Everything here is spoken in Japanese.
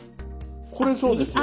これそうですよね？